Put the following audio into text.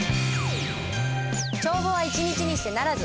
帳簿は一日にして成らず。